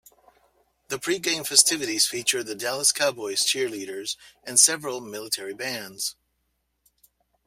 The pregame festivities featured the Dallas Cowboys Cheerleaders and several military bands.